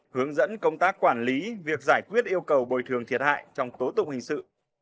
hướng dẫn công tác quản lý việc giải quyết yêu cầu bồi thường thiệt hại trong tố tụng hình sự